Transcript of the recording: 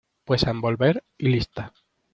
pues a envolver y lista.